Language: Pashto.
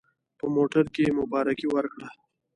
په موټر کې مبارکي ورکړه.